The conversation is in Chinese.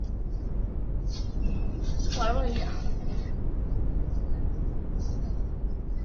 可发酵糖是通常在发酵行业用到的术语。